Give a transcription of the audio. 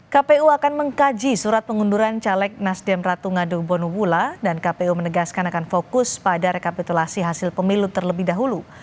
kpu akan mengkaji surat pengunduran caleg nasdem ratu ngadu bonubula dan kpu menegaskan akan fokus pada rekapitulasi hasil pemilu terlebih dahulu